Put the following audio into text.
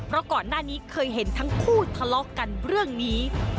เพราะก่อนหน้านี้เคยเห็นทั้งคู่ทะเลาะกันเรื่องนี้